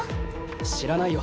知らないよ。